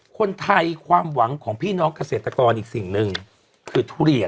คนไทยความหวังของพี่น้องเกษตรกรอีกสิ่งหนึ่งคือทุเรียน